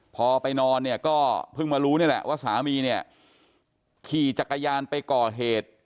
พอไปนอนเนี่ยก็เพิ่งมารู้นี่แหละว่าสามีเนี่ยขี่จักรยานไปก่อเหตุ